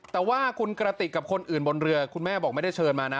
แต่ว่าคุณกระติกกับคนอื่นบนเรือคุณแม่บอกไม่ได้เชิญมานะ